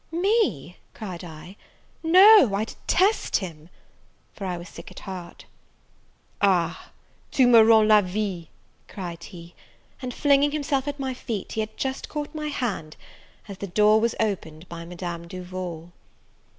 "Me!" cried I, "no, I detest him!" for I was sick at heart. "Ah, tu me rends la vie!" cried he; and, flinging himself at my feet, he had just caught my hand as the door was opened by Madame Duval.